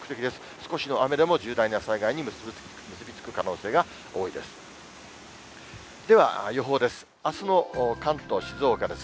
少しの雨でも重大な災害に結び付く可能性が多いです。